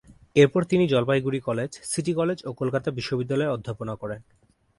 এরপর তিনি Jalpaiguri college, city college ও কলকাতা বিশ্ববিদ্যালয়ে অধ্যাপনা করেন।